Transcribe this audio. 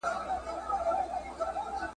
باغچې د ګلو سولې ویجاړي `